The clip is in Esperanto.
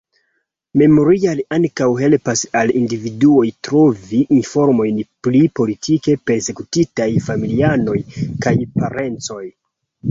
Memorial ankaŭ helpas al individuoj trovi informojn pri politike persekutitaj familianoj kaj parencoj.